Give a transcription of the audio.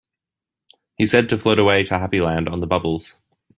He said to float away to Happy Land on the bubbles.